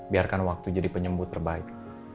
biarkan waktu jadi penyembuh terbaik